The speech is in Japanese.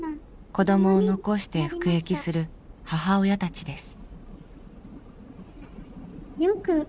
子どもを残して服役する母親たちです。